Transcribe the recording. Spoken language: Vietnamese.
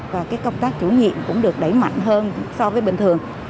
và công tác chủ nhiệm cũng được đẩy mạnh hơn so với bình thường